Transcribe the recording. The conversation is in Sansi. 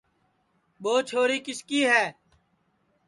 ٻو چھوری کِس کی ہے